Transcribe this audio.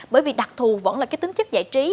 bởi vì đặc thù vẫn là cái tính chất giải trí